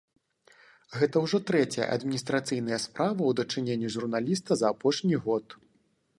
Гэта ўжо трэцяя адміністрацыйная справа ў дачыненні журналіста за апошні год.